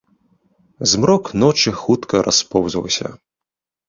Змрок ночы хутка распоўзваўся.